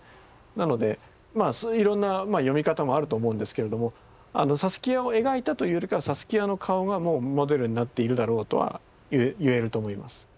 なのでいろんな読み方もあると思うんですけれどもサスキアを描いたというよりかはサスキアの顔がモデルになっているだろうとは言えると思います。